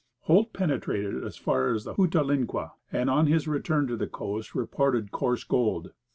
Holt penetrated as far as the Hootalinqua, and on his return to the coast reported coarse gold.